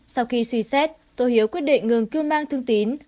sau khi suy xét tô hiếu quyết định ngừng cưu mang thương tín